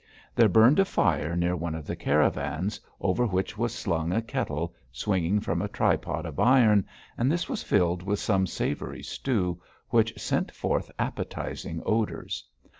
There burned a fire near one of the caravans, over which was slung a kettle, swinging from a tripod of iron, and this was filled with some savoury stew, which sent forth appetising odours.